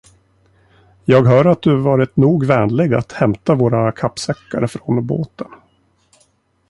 Jag hör att du varit nog vänlig att hämta våra kappsäckar från båten.